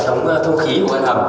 đây là hệ thống thông khí của căn hầm